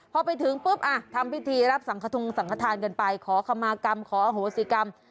พอไปถึงปุ๊บอ่ะทำพิธีรับสังขทงสังขทานกันไปขอคำมากรรมขออโหสิกรรม